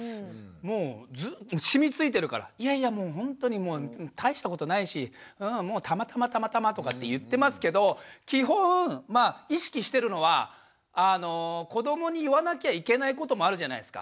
もう染みついてるから「いやいやほんとにもう大したことないしたまたまたまたま」とかって言ってますけど基本まあ意識してるのは子どもに言わなきゃいけないこともあるじゃないですか。